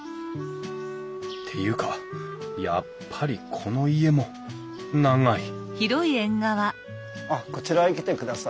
っていうかやっぱりこの家も長いあっこちらへ来てください。